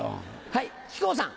はい。